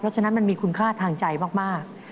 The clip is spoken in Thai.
ฉะนั้นมันมีคุณค่าทางใจมาก